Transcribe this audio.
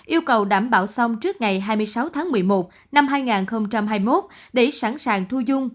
yêu cầu đảm bảo xong trước ngày hai mươi sáu tháng một mươi một năm hai nghìn hai mươi một để sẵn sàng thu dung